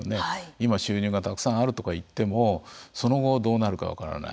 今、収入がたくさんあるとか言ってもその後、どうなるか分からない。